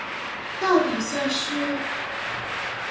到底算是